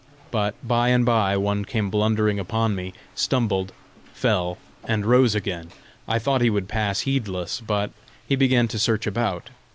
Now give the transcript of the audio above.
But by and by one came blundering upon me, stumbled, fell, and rose again. I thought he would pass heedless, but he began to search about.